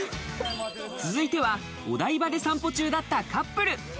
続いては、お台場で散歩中だったカップル。